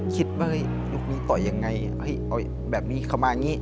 คิดว่าเฮ้ยยกนี้ต่อยยังไงแบบนี้เขามาอย่างนี้